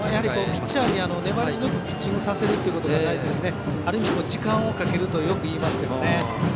ピッチャーに粘り強くピッチングさせることが大事である意味、時間をかけるとよくいいいますけどね。